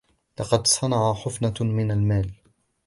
لقد صَنَعَ حِفنةً من المال.